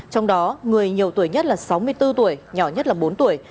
trong đó người nhiều tuổi nhất là sáu mươi bốn tuổi nhỏ nhất là bốn tuổi